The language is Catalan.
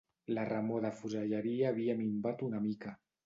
La remor de fuselleria havia minvat una mica